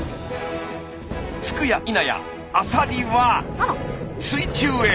着くやいなやアサリは水中へ。